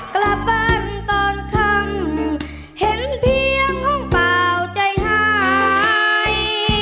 กลับบ้านตอนค่ำเห็นเพียงห้องเปล่าใจหาย